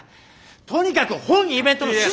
とにかく本イベントの趣旨は。